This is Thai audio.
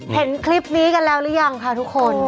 เห็นคลิปนี้กันแล้วหรือยังค่ะทุกคน